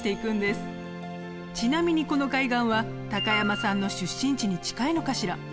ちなみにこの海岸は高山さんの出身地に近いのかしら？